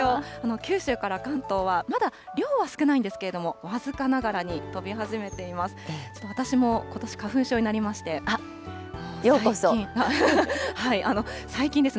九州から関東はまだ量は少ないんですけれども、僅かながらに飛び始めています。